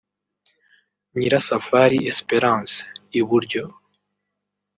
Nyirasafari Espérance (iburyo)